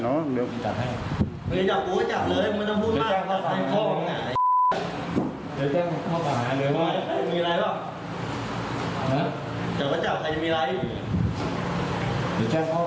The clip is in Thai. นี่ผมถามตัวแกนั่นคล่อง